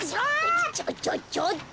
ちょちょちょっと！